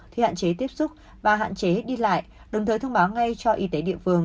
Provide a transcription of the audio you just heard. khi hạn chế tiếp xúc và hạn chế đi lại đồng thời thông báo ngay cho y tế địa phương